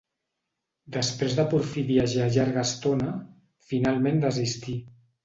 Després de porfidiejar llarga estona, finalment desistí.